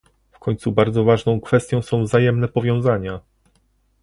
W końcu bardzo ważną kwestią są wzajemne powiązania